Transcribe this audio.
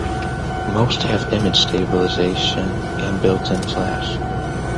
Most have image stabilization and built-in flash.